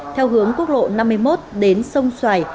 theo hướng quốc lộ năm mươi một đến sông xoài